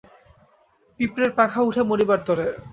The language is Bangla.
পিঁপড়ের পাখা উঠে মরিবার তরে।